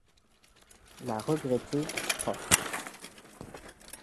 La regrettée Prof.